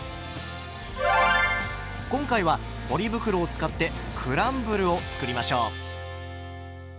今回はポリ袋を使ってクランブルを作りましょう。